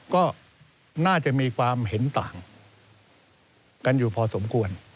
ก็น่าจะมีความเห็นต่างกันอยู่พอสมควร